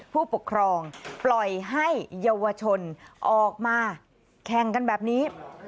ผู้ปกครองปล่อยให้เยาวชนออกมาแข่งกันแบบนี้